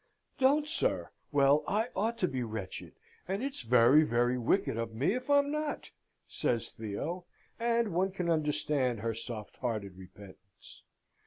"Don't, sir! Well, I ought to be wretched, and it's very, very wicked of me if I'm not," says Theo; and one can understand her soft hearted repentance.